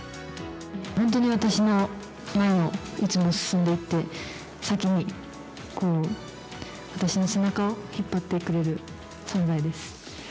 本当に私の前をいつも進んでいって、先に私の背中を引っ張ってくれる存在です。